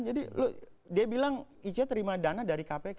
jadi dia bilang icw terima dana dari kpk